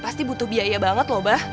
pasti butuh biaya banget loh bah